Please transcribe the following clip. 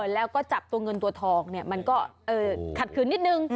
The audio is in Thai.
แล้วก็จับตัวเงินตัวทองมันก็ขัดขืนนิดนึง